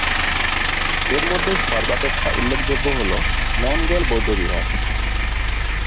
এর মধ্যে সর্বাপেক্ষা উল্লেখযোগ্য হল র্নাম-র্গ্যাল বৌদ্ধবিহার।